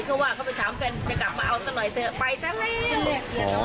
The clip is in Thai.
เพราะว่าเขาไปถามแฟนจะกลับมาเอาตัวหน่อยเถอะไปซะเร็ว